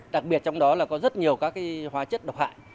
đặc biệt trong đó là có rất nhiều các hóa chất độc hại